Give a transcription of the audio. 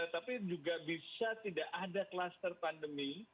tapi juga bisa tidak ada kluster pandemi